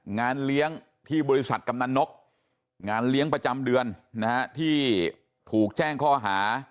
งานเลี้ยงที่บริษัทกำนันนกงานเลี้ยงประจำเดือนนะฮะที่ถูกแจ้งข้อหา